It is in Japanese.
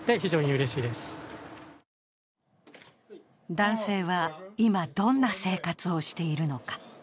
男性は今、どんな生活をしているのか。